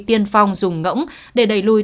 tiên phong dùng ngỗng để đẩy lùi